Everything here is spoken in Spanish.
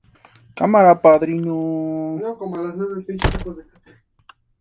El sistema de rotación es diseño original y característico de la Rueda de Falkirk.